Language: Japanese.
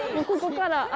ここから。